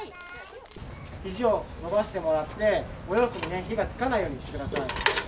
ひじを伸ばしてもらって、お洋服にね、火がつかないようにしてください。